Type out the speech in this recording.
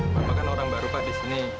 makanan orang baru pak di sini